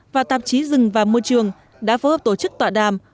và tạp chí rừng và môi trường đã phối hợp tổ chức tọa đàm